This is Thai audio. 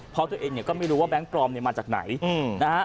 เพราะตัวเองก็ไม่รู้ว่าแบงค์ปลอมมาจากไหน